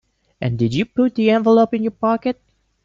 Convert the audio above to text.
And did you put the envelope in your pocket?